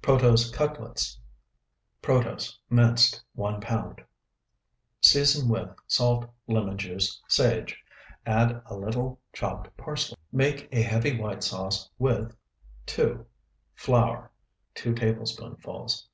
PROTOSE CUTLETS (1) Protose, minced, 1 pound. Season with Salt. Lemon juice. Sage. Add a little Chopped parsley. Make a heavy white sauce with (2) Flour, 2 tablespoonfuls.